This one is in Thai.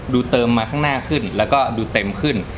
เติมมาข้างหน้าขึ้นแล้วก็ดูเต็มขึ้น